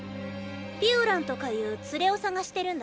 ピオランとかいう連れを捜してるんだね。